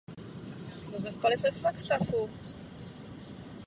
Jejich trávicí trubice prochází celou délkou těla.